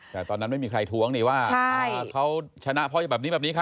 แต่ตอนนั้นไม่มีใครท้วงนี่ว่าเขาชนะเพราะแบบนี้แบบนี้ค่ะ